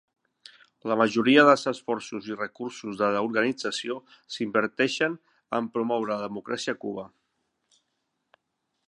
La majoria dels esforços i recursos de l'organització s'inverteixen en "promoure la democràcia a Cuba".